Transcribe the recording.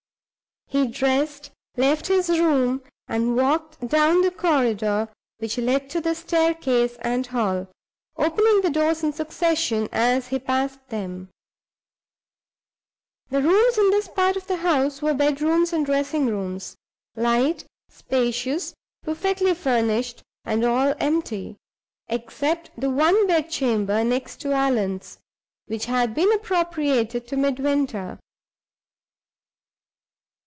He dressed, left his room, and walked along the corridor which led to the staircase and hall, opening the doors in succession as he passed them. The rooms in this part of the house were bedrooms and dressing rooms, light, spacious, perfectly furnished; and all empty, except the one bed chamber next to Allan's, which had been appropriated to Midwinter.